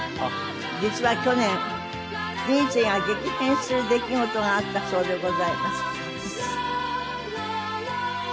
実は去年人生が激変する出来事があったそうでございます。